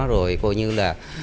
rồi cô như là